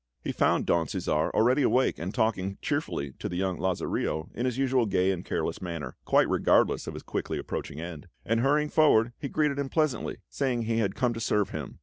He found Don Cæsar already awake and talking cheerfully to the young Lazarillo in his usual gay and careless manner, quite regardless of his quickly approaching end; and hurrying forward, he greeted him pleasantly, saying he had come to serve him.